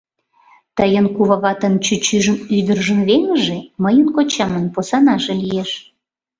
Тыйын куваватын чӱчӱжын ӱдыржын веҥыже мыйын кочамын посанаже лиеш.